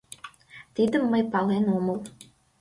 Тидым мый пален омыл.